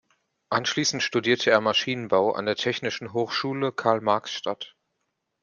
Anschließend studierte er Maschinenbau an der Technischen Hochschule Karl-Marx-Stadt.